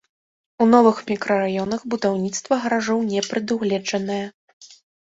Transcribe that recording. У новых мікрараёнах будаўніцтва гаражоў не прадугледжанае.